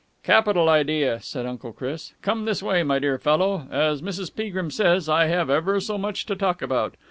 "Capital idea!" said Uncle Chris. "Come this way, my dear fellow. As Mrs. Peagrim says, I have ever so much to talk about.